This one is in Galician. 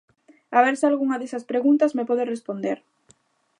A ver se a algunha desas preguntas me pode responder.